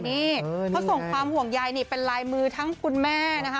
นี่เขาส่งความห่วงใยนี่เป็นลายมือทั้งคุณแม่นะคะ